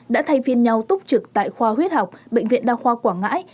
đã thay phiên nhau túc trực tại khoa huyết học bệnh viện đa khoa quảng ngãi